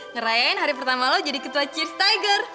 ngerayain hari pertama lo jadi ketua cheers tiger